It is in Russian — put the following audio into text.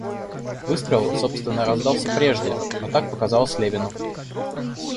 Выстрел, собственно, раздался прежде, но так показалось Левину.